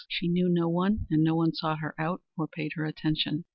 She knew no one, and no one sought her out or paid her attention.